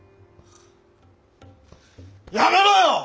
やめろよ！